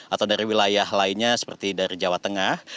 atau dari wilayah lainnya seperti dari jawa tengah